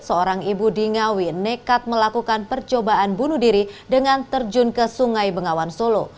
seorang ibu di ngawi nekat melakukan percobaan bunuh diri dengan terjun ke sungai bengawan solo